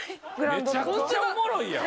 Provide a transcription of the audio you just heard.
めちゃくちゃおもろいやん。